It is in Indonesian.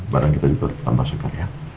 barang kita juga ditambah sekalian